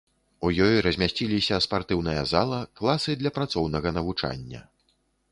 У ёй размясціліся спартыўная зала, класы для працоўнага навучання.